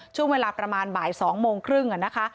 ช่วงเวลาประมาณบ่าย๒โมงครึ่งนะคะ